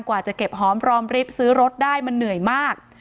กว่าจะเก็บหอมรอมริฟท์ซื้อรถได้มันเหนื่อยมาก